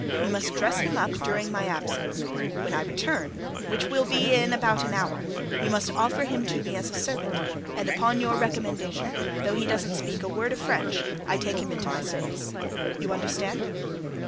You must dress him up during my absence. When I return, which will be in about an hour, you must offer him to me as a servant, and upon your recommendation, though he doesn't speak a word of French, I take him into my service. You understand?"